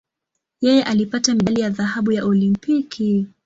Yeye alipata medali ya dhahabu ya Olimpiki.